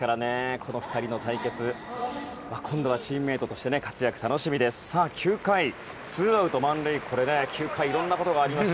この２人の対決今度はチームメートとしてのノーアウト満塁で９回、いろんなことがありました。